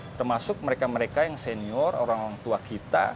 termasuk mereka mereka yang senior orang orang tua kita